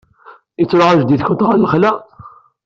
Yettṛuḥu jeddi-tkent ɣer lexla?